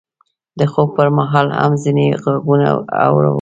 د خوب پر مهال هم ځینې غږونه اورو.